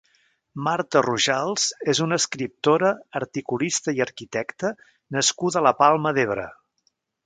Marta Rojals és una escriptora, articulista i arquitecta nascuda a la Palma d'Ebre.